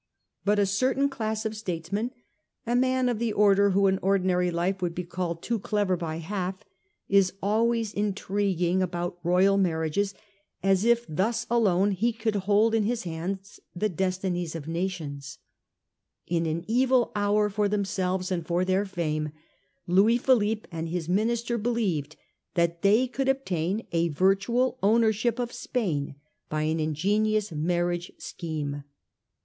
But a certain class of statesman, a man of the order who in ordinary life would be called too clever by half, is always in 1848. LOUIS PHILIPPE'S SCHEME. 429 triguing about royal marriages as if thus alone he could hold in his hands the destinies of nations. In an evil hour for themselves and their fame, Louis Philippe and his minister believed that they could obtain a virtual ownership of Spain by an ingenious marriage scheme.